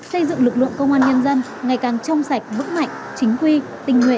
xây dựng lực lượng công an nhân dân ngày càng trong sạch vững mạnh chính quy tinh nguệ hiện đại